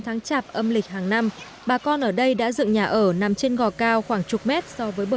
sáu tháng chạp âm lịch hàng năm bà con ở đây đã dựng nhà ở nằm trên gò cao khoảng chục mét so với bờ